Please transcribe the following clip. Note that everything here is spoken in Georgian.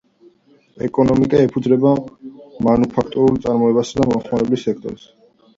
ეკონომიკა ეფუძნება მანუფაქტურულ წარმოებასა და მომსახურების სექტორს.